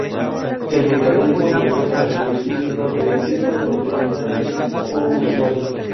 El mecanismo de unión al dioxígeno de esta proteína es poco usual.